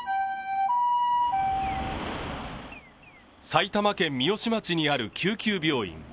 埼玉県三芳町にある救急病院。